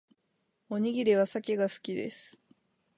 おにぎりはサケが好きです